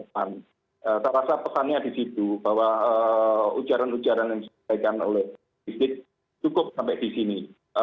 saya rasa pesannya di situ bahwa ujaran ujaran yang disampaikan oleh rizik cukup sampai di sini